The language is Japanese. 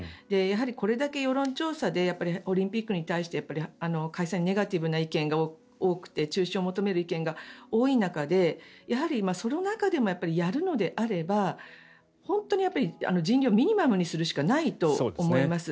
これだけ世論調査でオリンピックに対して開催にネガティブな意見が多くて中止を求める意見が多い中でやはりその中でもやるのであれば本当に人流をミニマムにするしかないと思います。